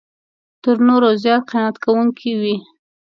تر نورو زیات قناعت کوونکی وي.